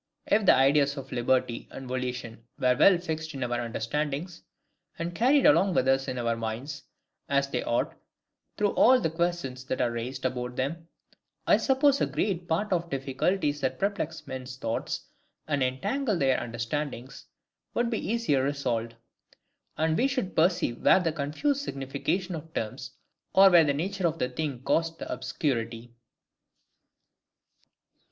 If the ideas of liberty and volition were well fixed in our understandings, and carried along with us in our minds, as they ought, through all the questions that are raised about them, I suppose a great part of the difficulties that perplex men's thoughts, and entangle their understandings, would be much easier resolved; and we should perceive where the confused signification of terms, or where the nature of the thing caused the obscurity.